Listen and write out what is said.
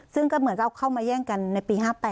ซึ่งก็เหมือนเราเข้ามาแย่งกันในปี๕๘